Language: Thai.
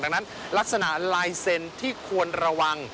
ดังนั้นลักษณะลายเซ็นต์ที่ควรระวัง